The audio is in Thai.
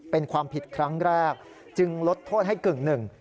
เป็นความผิดครั้งแรกจึงลดโทษให้กึ่งหนึ่ง